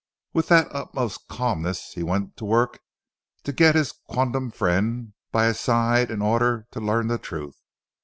With the utmost calmness he went to work to get his quondam friend by his side in order to learn the truth.